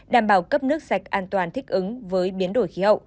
đảm bảo cấp nước sạch an toàn thích ứng với biến đổi khí hậu